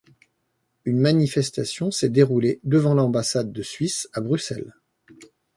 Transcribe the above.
Une manifestation s'est déroulée devant l’ambassade de Suisse à Bruxelles.